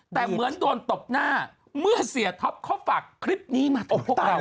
แต่เหมือนโดนตบหน้าเมื่อเสียท็อปเขาฝากคลิปนี้มาตบ